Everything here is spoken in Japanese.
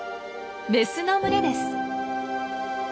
メスの群れです！